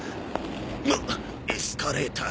むっエスカレーター。